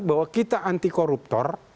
bahwa kita anti koruptor